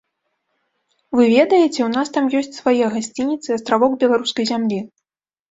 Вы ведаеце, у нас там ёсць свае гасцініцы, астравок беларускай зямлі.